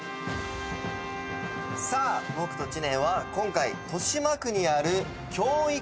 さあ僕と知念は今回豊島区にある。